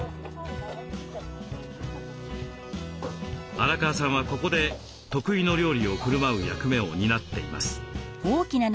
荒川さんはここで得意の料理をふるまう役目を担っています。